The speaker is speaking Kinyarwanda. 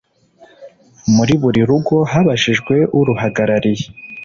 Muri buri rugo habajijwe uruhagarariye